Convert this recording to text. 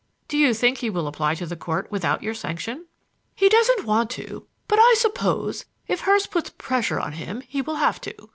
"Do you think he will apply to the Court without your sanction?" "He doesn't want to; but I suppose, if Hurst puts pressure on him, he will have to.